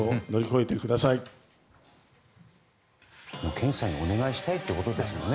健にお願いしたいということですよね。